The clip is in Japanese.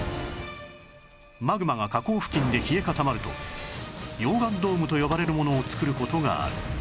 マグマが河口付近で冷え固まると溶岩ドームと呼ばれるものを作る事がある